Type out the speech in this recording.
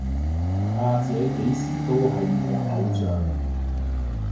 阿姐幾時都係我偶像